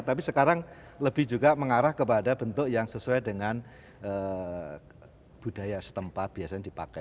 tapi sekarang lebih juga mengarah kepada bentuk yang sesuai dengan budaya setempat biasanya dipakai